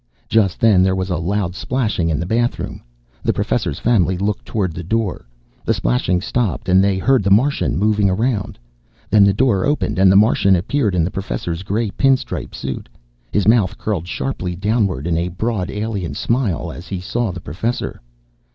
Just then, there was a loud splashing in the bathroom. The Professor's family looked toward the door. The splashing stopped and they heard the Martian moving around. Then the door opened and the Martian appeared in the Professor's gray pin stripe suit. His mouth curled sharply downward in a broad alien smile as he saw the Professor.